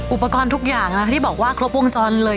อุปกรณ์ทุกอย่างนะที่บอกว่าครบวงจรเลย